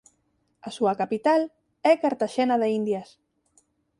A súa capital é Cartaxena de Indias.